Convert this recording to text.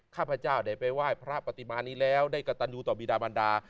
ข้าพเจ้าได้ไปไหว้พระปฏิมานี้แล้วได้กระตันยูต่อบีดามันดา